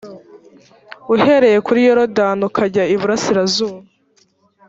uhereye kuri yorodani ukajya iburasirazuba